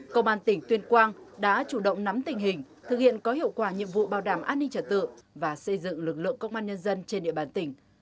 công an tỉnh tuyên quang đã chủ động nắm tình hình thực hiện có hiệu quả nhiệm vụ bảo đảm an ninh trật tự và xây dựng lực lượng công an nhân dân trên địa bàn tỉnh